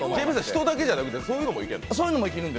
人だけじゃなくてそういうのもいけるの？